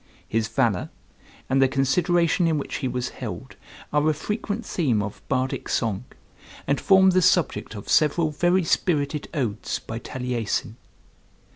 His valor, and the consideration in which he was held, are a frequent theme of Bardic song, and form the subject of several very spirited odes by Taliesin.